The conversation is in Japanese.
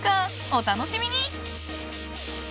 お楽しみに！